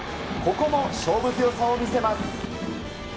ここも勝負強さを見せます。